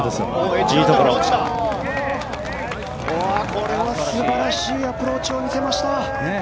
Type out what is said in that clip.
これは素晴らしいアプローチを見せました。